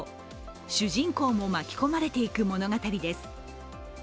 主人公も巻き込まれていく物語です。